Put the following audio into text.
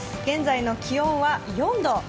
現在の気温は４度。